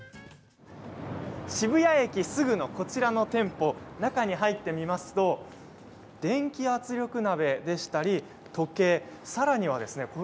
渋谷駅すぐの、こちらの店舗、中に入ってみますと電気圧力鍋でしたり時計、さらにはですね